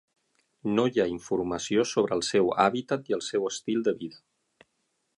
No hi ha informació sobre el seu hàbitat i el seu estil de vida.